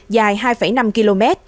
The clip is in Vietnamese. dài hai năm km